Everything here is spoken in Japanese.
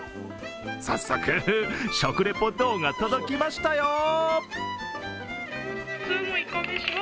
早速、食レポ動画、届きましたよ。